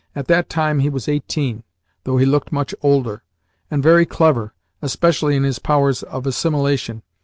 At that time he was eighteen though he looked much older and very clever, especially in his powers of assimilation.